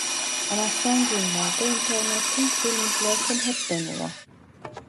Ama son günlerde internetten film izlerken hep donuyor